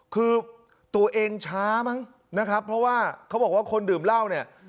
คือตัวเองช้ามั้งนะครับเพราะว่าเขาบอกว่าคนดื่มเหล้าเนี่ย